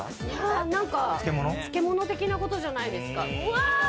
漬物的なことじゃないですか？